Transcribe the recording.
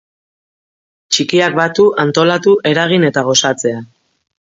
Txikiak batu, antolatu, eragin eta gozatzea.